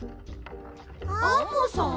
アンモさん！